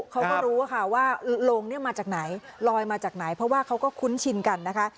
เขาก็รู้ว่าโรงเนี่ยมาจากไหนลอยมาจากไหนเพราะว่าเขาก็คุ้นชินกันนะคะ